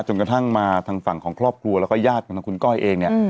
กระทั่งมาทางฝั่งของครอบครัวแล้วก็ญาติของทางคุณก้อยเองเนี่ย